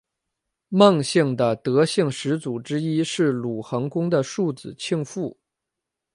孟姓的得姓始祖之一是鲁桓公的庶子庆父。